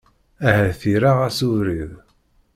Ahat iraε-as ubrid.